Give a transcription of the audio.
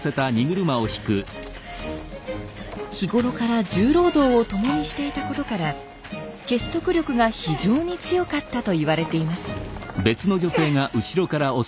日頃から重労働を共にしていたことから結束力が非常に強かったと言われています。